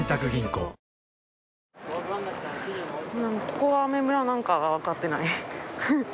ここがアメ村なのかが分かってない。